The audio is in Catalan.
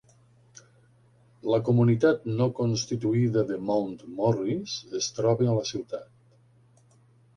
La comunitat no constituïda de Mount Morris es troba a la ciutat.